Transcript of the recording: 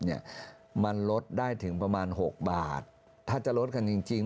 เนี่ยมันลดได้ถึงประมาณหกบาทถ้าจะลดกันจริงจริง